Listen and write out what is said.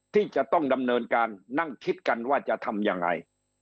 ที่จะต้องดำเนินการนั่งคิดกันว่าจะทำยังไง